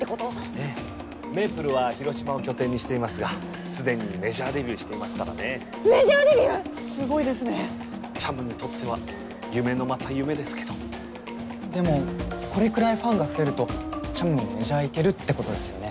ええめいぷるは広島を拠点にしていますがすでにメジャーデビューしていますからねメジャーデビュー⁉すごいですねちゃむにとっては夢のまた夢ですけどでもこれくらいファンが増えるとちゃむもメジャーいけるってことですよね